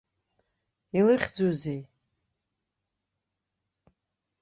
Илыхьӡузеи?